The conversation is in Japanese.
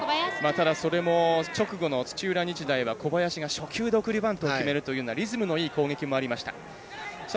それも直後の土浦日大は小林が初球で送りバントを決めるというようなリズムのいい攻撃もありました。